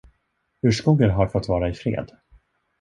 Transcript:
Urskogen har fått vara i fred.